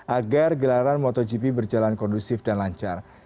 agar gelaran motogp berjalan kondusif dan lancar